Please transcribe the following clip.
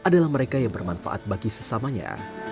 dan bermanfaat bagi sesamanya